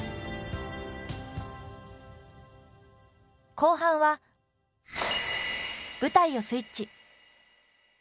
後半は舞台をスイッチ。